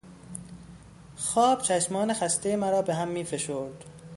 خواب، چشمان خستهی مرا بههم میفشرد.